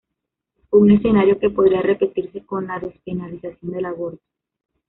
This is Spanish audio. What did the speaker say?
Un escenario que podría repetirse con la despenalización del aborto.